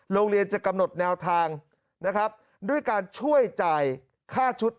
โรงเรียนจะกำหนดแนวทางนะครับด้วยการช่วยจ่ายค่าชุด